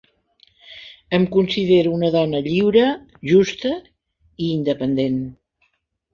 Em considero una dona lliure, justa i independent.